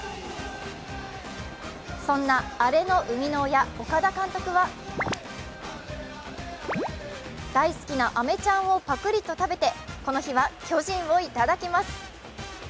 そんなアレの生みの親、岡田監督は大好きなあめちゃんをパクリと食べてこの日は巨人をいただきます。